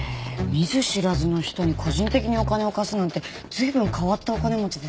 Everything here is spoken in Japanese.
見ず知らずの人に個人的にお金を貸すなんて随分変わったお金持ちですね。